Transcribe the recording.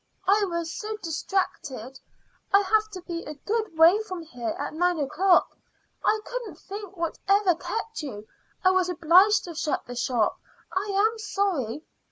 "I was so distracted; I have to be a good way from here at nine o'clock, I couldn't think whatever kept you. I was obliged to shut the shop. I am sorry."